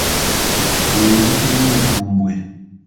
Lwe lubuto lw'entumbwe.